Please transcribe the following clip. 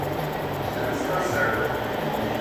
Ele está certo